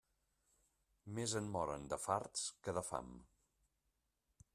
Més en moren de farts que de fam.